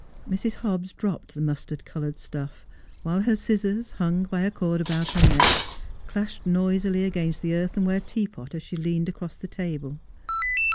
Mrs. Hobbs dropped the mustard colored stuff, while her scissors, hung by a cord about her neck, clashed noisily against the earth enware teapot as she leaned across the table.